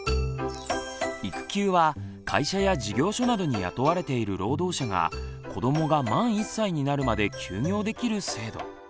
育休は会社や事業所などに雇われている労働者が子どもが満１歳になるまで休業できる制度。